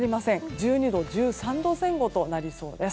１２度、１３度前後となりそうです。